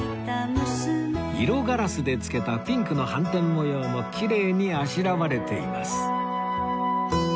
色ガラスで付けたピンクの斑点模様もきれいにあしらわれています